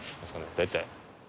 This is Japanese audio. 大体。